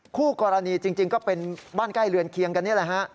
คู่กรณีจริงก็เป็นบ้านใกล้เรือนเคียงกันนี่แหละฮะ